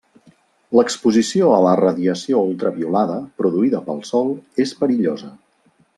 L'exposició a la radiació ultraviolada, produïda pel sol, és perillosa.